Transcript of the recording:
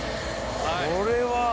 これは。